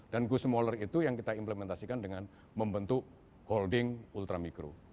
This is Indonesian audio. dan go smaller itu yang kita implementasikan dengan membentuk holding ultramikro